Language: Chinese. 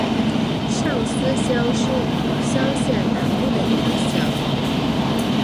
上司乡是武乡县南部的一个乡。